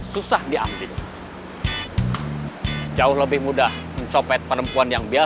saat ini tuh ya